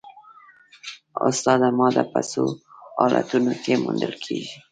استاده ماده په څو حالتونو کې موندل کیږي